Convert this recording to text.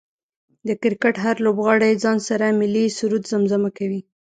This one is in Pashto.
د کرکټ هر لوبغاړی ځان سره ملي سرود زمزمه کوي